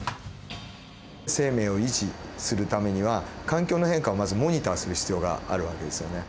生命を維持するためには環境の変化をまずモニターする必要がある訳ですよね。